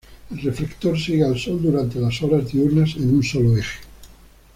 El reflector sigue al sol durante la horas diurnas en un solo eje.